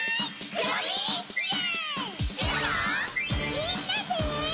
みんなで！